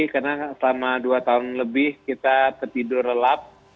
karena selama dua tahun lebih kita tidur relap